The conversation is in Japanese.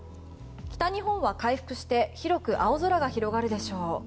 北日本は回復して広く青空が広がるでしょう。